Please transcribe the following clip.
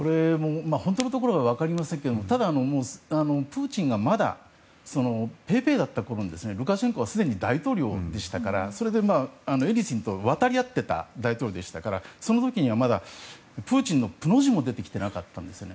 本当のところは分かりませんけれどもただ、プーチンがまだペーペーだったころにルカシェンコはすでに大統領でしたからそれで、エリツィンと渡り合ってた大統領ですからその時にはまだプーチンの「プ」の字も出てきてなかったんですね。